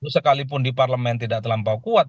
sekalipun di parlemen tidak terlampau kuat